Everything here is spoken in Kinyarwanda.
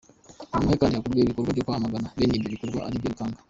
Ni mu ghe kandi hakorwa ibikorwa byo kwamagana bene ibyo bikorwa ariko bikanga.